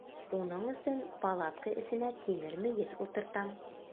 Уның өсөн палатка эсенә тимер мейес ултыртам.